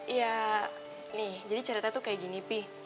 iya nih jadi cerita tuh kayak gini pi